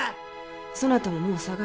そなたももう下がりゃ。